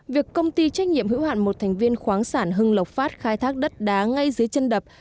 việc công ty trách nhiệm hữu hạn một thành viên khoáng sản hưng lộc phát khai thác đất đá ngay dưới chân đập